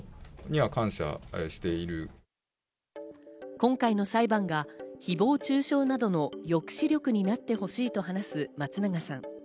今回の裁判がひぼう中傷などの抑止力になってほしいと話す松永さん。